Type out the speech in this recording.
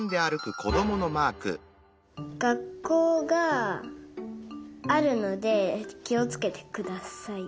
がっこうがあるのできをつけてください。